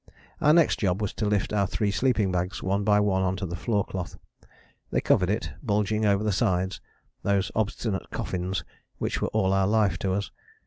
Our next job was to lift our three sleeping bags one by one on to the floor cloth: they covered it, bulging over the sides those obstinate coffins which were all our life to us....